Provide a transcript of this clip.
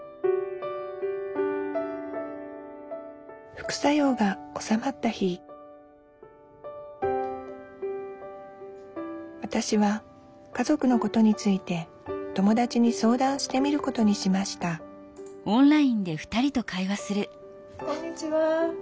副作用が治まった日わたしは家族のことについて友達に相談してみることにしましたこんにちは。